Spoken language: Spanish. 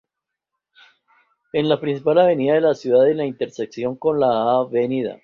En la principal avenida de la ciudad, en la intersección con la Av.